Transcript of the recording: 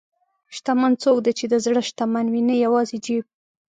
شتمن څوک دی چې د زړه شتمن وي، نه یوازې جیب.